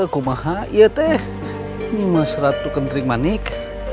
kau maha ya teh ini mas ratu kentering manik